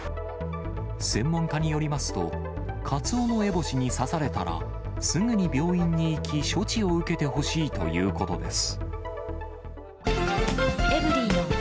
専門家によりますと、カツオノエボシに刺されたら、すぐに病院に行き、処置を受けてほしいということです。